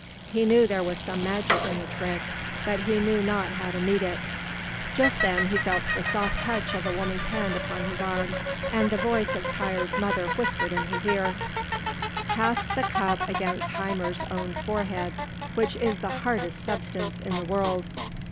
He knew there was some magic in the trick, but he knew not how to meet it. Just then he felt the soft touch of a woman's hand upon his arm, and the voice of Tŷr's mother whispered in his ear, "Cast the cup against Hymir's own forehead, which is the hardest substance in the world."